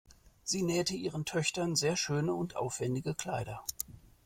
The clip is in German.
Sie näht ihren Töchtern sehr schöne und aufwendige Kleider.